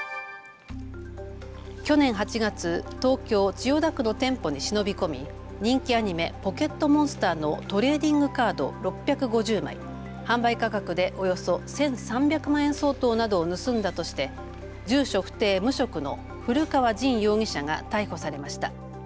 去年８月、東京千代田区の店舗に忍び込み、人気アニメポケットモンスターのトレーディングカード６５０枚、販売価格でおよそ１３００万円相当などを盗んだとして住所不定、無職の古川刃容疑者が逮捕されました。